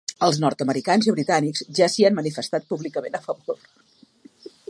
Els nord-americans i britànics ja s’hi han manifestat públicament a favor.